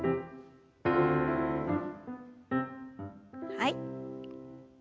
はい。